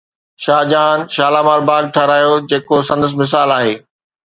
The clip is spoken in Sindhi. شاهجهان شالامار باغ ٺهرايو جيڪو سندس مثال آهي